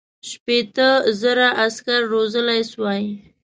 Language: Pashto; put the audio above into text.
شپېته زره عسکر روزلای سوای.